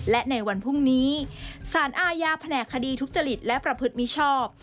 และในวันพรุ่งนี้สารอาญาแผนกคดีทุจริตและประพฤติมิชชอบ